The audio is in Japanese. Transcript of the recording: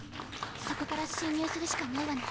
そこから侵入するしかないわね。